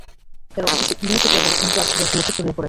এরা অবশেষে ইরানী জাতি এবং ইন্দো-আর্য জাতির মধ্যে ছড়িয়ে পড়ে।